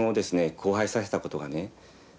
荒廃させたことがね